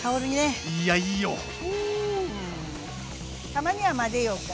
たまには混ぜようか。